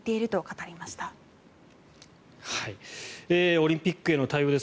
オリンピックへの対応です。